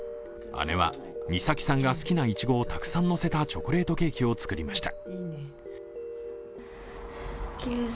姉は、美咲さんが好きないちごをたくさん乗せたチョコレートケーキを作りました。